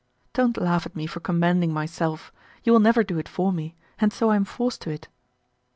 Don't laugh at me for commending myself, you will never do it for me, and so I am forced to it.